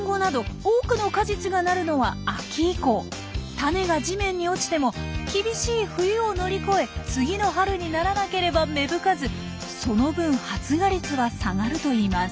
種が地面に落ちても厳しい冬を乗り越え次の春にならなければ芽吹かずその分発芽率が下がるといいます。